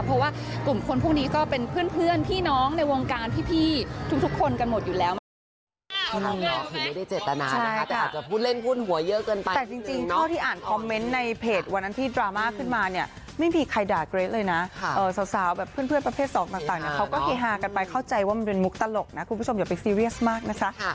เพราะว่ากลุ่มคนพวกนี้ก็เป็นเพื่อนพี่น้องในวงการพี่ทุกคนกันหมดอยู่แล้วเหมือนกัน